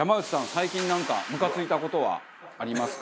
最近なんかムカついた事はありますか？